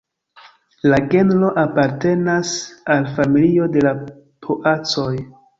La genro apartenas al familio de la poacoj.